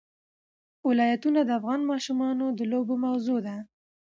ولایتونه د افغان ماشومانو د لوبو موضوع ده.